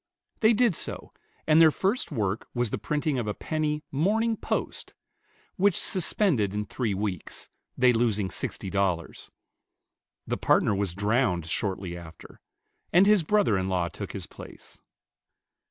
They did so, and their first work was the printing of a penny "Morning Post," which suspended in three weeks, they losing sixty dollars. The partner was drowned shortly after, and his brother in law took his place.